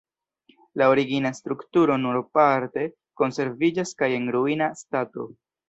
La origina strukturo nur parte konserviĝas kaj en ruina stato.